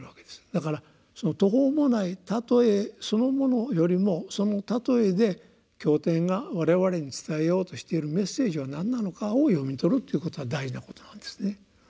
だからその途方もない例えそのものよりもその例えで経典が我々に伝えようとしているメッセージは何なのかを読み取るっていうことは大事なことなんですね。